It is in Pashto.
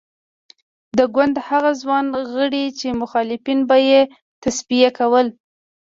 د ګوند هغه ځوان غړي چې مخالفین به یې تصفیه کول.